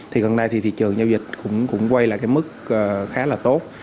thì gần đây thì thị trường giao dịch cũng quay lại cái mức khá là tốt